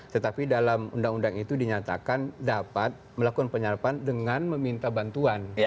tetapi dalam undang undang itu dinyatakan dapat melakukan penyadapan dengan meminta bantuan